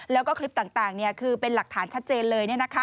แล้วก็คลิปต่างคือเป็นหลักฐานชัดเจนเลย